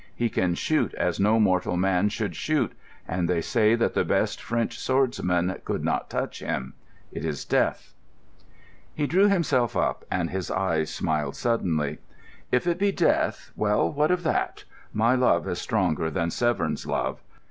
He can shoot as no mortal man should shoot, and they say that the best French swordsmen could not touch him. It is death." He drew himself up, and his eyes smiled suddenly. "If it be death, well, what of that! My love is greater than Severn's love.